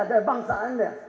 atau bangsa anda